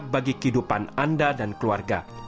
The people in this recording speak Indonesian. bagi kehidupan anda dan keluarga